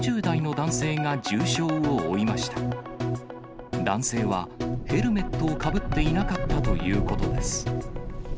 男性はヘルメットをかぶっていなかったということです。